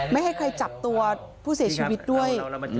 ไม่ให้ใครจับตัวผู้เสียชีวิตด้วย